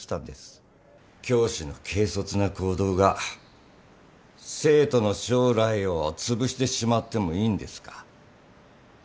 教師の軽率な行動が生徒の将来をつぶしてしまってもいいんですか？